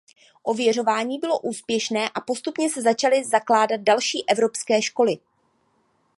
Ověřování bylo úspěšné a postupně se začaly zakládat další Evropské školy.